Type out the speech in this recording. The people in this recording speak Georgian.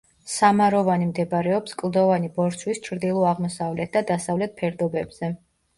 სამაროვანი მდებარეობს კლდოვანი ბორცვის ჩრდილო-აღმოსავლეთ და დასავლეთ ფერდობებზე.